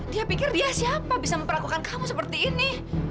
dia pikir dia siapa bisa memperlakukan kamu seperti ini